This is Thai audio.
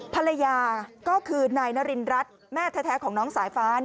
ภรรยาก็คือนายนารินรัฐแม่แท้ของน้องสายฟ้า